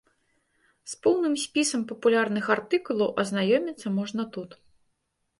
З поўным спісам папулярных артыкулаў азнаёміцца можна тут.